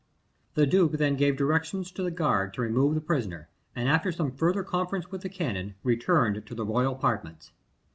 The duke then gave directions to the guard to remove the prisoner, and after some further conference with the canon, returned to the royal apartments.